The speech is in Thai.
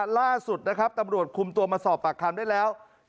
ล่าสุดนะครับตำรวจคุมตัวมาสอบปากคำได้แล้ว